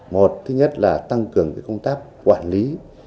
một thứ nhất là tăng cường công tác quản lý